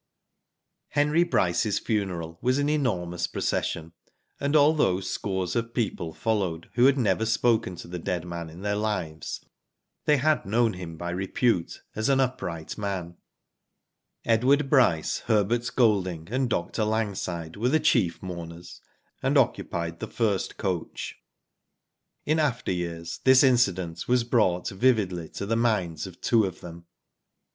' H^nry Bryce's funeral was an enormous pro cession, and although scores of people followed who had never spoken to the dead man in their lives, they had ktiown him by repute as an upright man. Digitized byGoogk NO TRACE, 27 Edward Bryce, Herbert Golding, and Dr. Lang side were the chief mourners, and occupied the first coach. ^ In after years, this incident was brought vividly to the minds of two of' them.